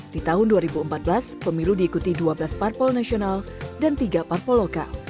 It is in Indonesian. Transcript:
di tahun dua ribu empat belas pemilu diikuti dua belas parpol nasional dan tiga parpol lokal